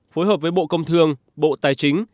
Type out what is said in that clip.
phối hợp với bộ công thương bộ tài chính